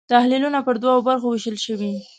تحلیلونه پر دوو برخو وېشلای شو.